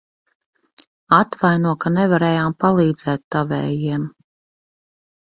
Atvaino, ka nevarējām palīdzēt tavējiem.